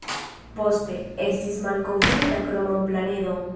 Poste, estis malkovrita kroman planedon.